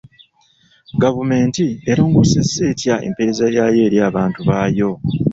Gavumenti erongoosezza etya empeereza yaayo eri abantu baayo?